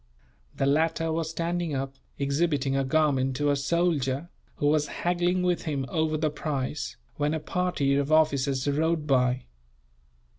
The latter was standing up, exhibiting a garment to a soldier, who was haggling with him over the price, when a party of officers rode by.